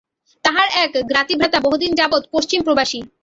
তাঁহার এক জ্ঞাতিভ্রাতা বহুদিন যাবৎ পশ্চিমপ্রবাসী।